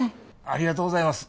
ありがとうございます